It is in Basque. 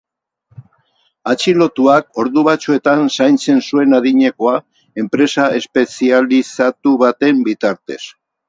Atxilotuak ordu batzuetan zaintzen zuen adinekoa, enpresa espezializatu baten bitartez.